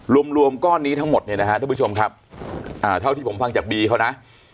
รวมรวมก้อนนี้ทั้งหมดเนี่ยนะฮะท่านผู้ชมครับอ่าเท่าที่ผมฟังจากบีเขานะ